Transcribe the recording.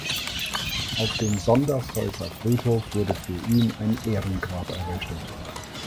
Auf dem Sondershäuser Friedhof wurde für ihn ein Ehrengrab errichtet.